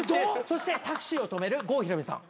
そしてタクシーを止める郷ひろみさん。